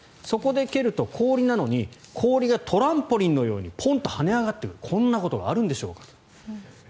そこで蹴ると氷なのに氷がトランポリンのようにポンと跳ね上がってくるこんなことがあるんでしょうか。